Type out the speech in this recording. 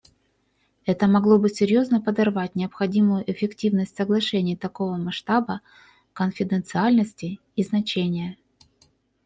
Это могло бы серьезно подорвать необходимую эффективность соглашений такого масштаба, конфиденциальности и значения.